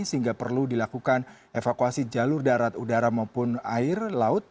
sehingga perlu dilakukan evakuasi jalur darat udara maupun air laut